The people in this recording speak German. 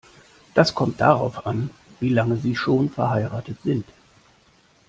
Das kommt darauf an, wie lange Sie schon verheiratet sind.